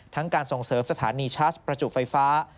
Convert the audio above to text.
การส่งเสริมสถานีชาร์จประจุไฟฟ้า